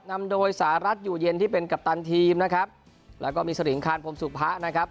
นำโดยสหรัฐอยู่เย็นที่เป็นกัปตันทีมนะครับแล้วก็มีสริงคานพรมสุพะนะครับ